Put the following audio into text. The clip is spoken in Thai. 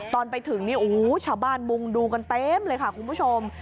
ตอนไปถึงนี่โอ้โหชาวบ้านมุงดูกันเต็มเลยค่ะคุณผู้ชม